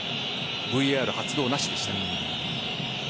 ＶＡＲ発動なしでした。